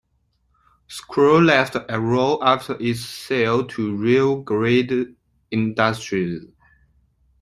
Schulze left Arrow after its sale to Rio Grande Industries.